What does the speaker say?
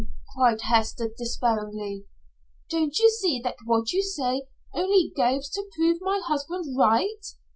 cried Hester, despairingly. "Don't you see that what you say only goes to prove my husband right?